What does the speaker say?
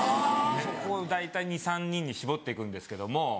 そこを大体２３人に絞って行くんですけども。